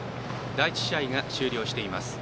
第１試合が終了しています。